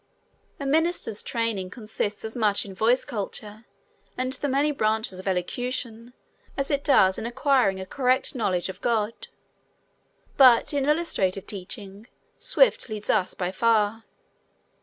A minister's training consists as much in voice culture and the many branches of elocution as it does in acquiring a correct knowledge of God. But in illustrative teaching Swift leads us by far.